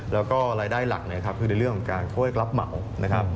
และก็รายได้หลักคือในเรื่องของการโทรให้กลับเหมา